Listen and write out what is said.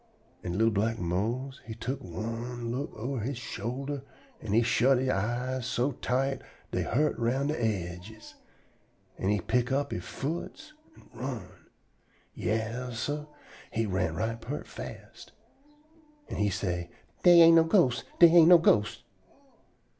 An' li'l black Mose he tuck one look ober he shoulder an' he shut he eyes so tight dey hurt round de aidges, an' he pick up he foots an' run. Yas, sah, he run right peart fast. An' he say: "Dey ain't no ghosts. Dey ain't no ghosts."